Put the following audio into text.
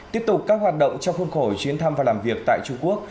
tiếp tục các hoạt động trong khuôn khổ chuyến thăm và làm việc tại trung quốc